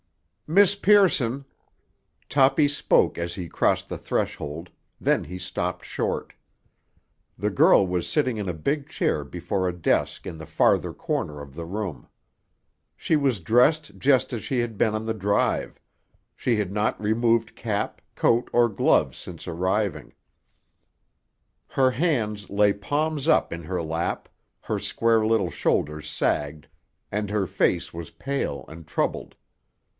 "Miss Pearson!" Toppy spoke as he crossed the threshold; then he stopped short. The girl was sitting in a big chair before a desk in the farther corner of the room. She was dressed just as she had been on the drive; she had not removed cap, coat or gloves since arriving. Her hands lay palms up in her lap, her square little shoulders sagged, and her face was pale and troubled.